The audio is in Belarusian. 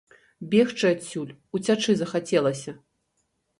Бегчы адсюль, уцячы захацелася.